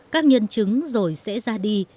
các nhân chứng rồi sẽ ra đi